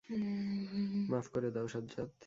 মাফ করে দাও সাজ্জাদ!